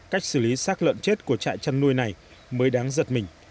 cách xử lý sát lợn chết của trại chăn nuôi này mới đáng giật mình